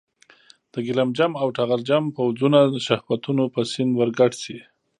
د ګیلم جم او ټغر جم پوځونه شهوتونو په سیند ورګډ شي.